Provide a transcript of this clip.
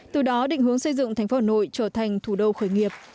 từ đó định hướng xây dựng thành phố hà nội trở thành thủ đô khởi nghiệp